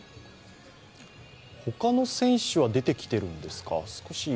他の選手は出てきてるんですか？